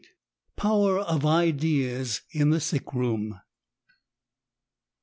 155 POWER OF IDEAS IN THE SICK ROOM.